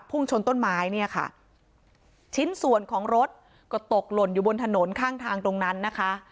ชนต้นไม้เนี่ยค่ะชิ้นส่วนของรถก็ตกหล่นอยู่บนถนนข้างทางตรงนั้นนะคะ